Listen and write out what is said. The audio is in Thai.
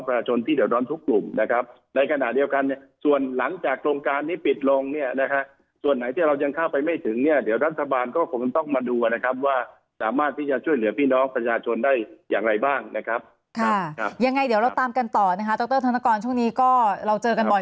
ขอบคุณนะคะครับสวัสดีครับสวัสดีค่ะ